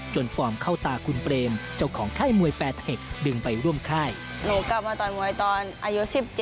จนฟอร์มเข้าตากุลเบรมเจ้าของค่ายมวยแฟสเห็กดึงไปร่วมค่าย